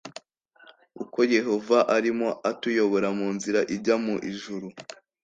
Uko Yehova arimo atuyobora munzira ijya mu ijuru